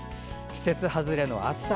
季節外れの暑さ。